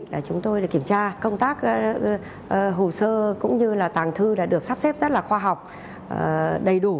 là chúng tôi kiểm tra công tác hồ sơ cũng như là tàng thư là được sắp xếp rất là khoa học đầy đủ